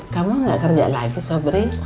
kamu gak kerja lagi soverei